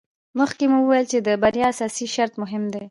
مخکې مو وویل چې د بریا اساسي شرط مهم دی.